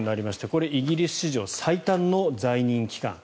これ、イギリス史上最短の在任期間。